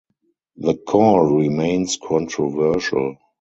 The call remains controversial.